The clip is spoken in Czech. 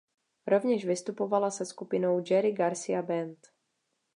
Rovněž vystupovala se skupinou Jerry Garcia Band.